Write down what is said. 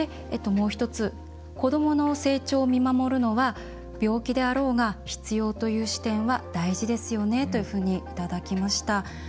もう１つ、子どもの成長を見守るのは病気であろうが必要という視点は大事ですよねというふうにいただきました。